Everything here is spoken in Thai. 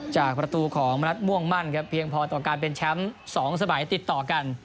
จากประตูของมณัฐม่วงมั่นครับเพียงพอต่อการเป็นแชมป์๒สมัยติดต่อกัน